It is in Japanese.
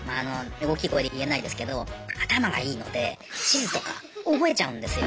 大きい声で言えないですけど頭がいいので地図とか覚えちゃうんですよ